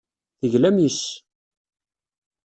Teglam yes-s.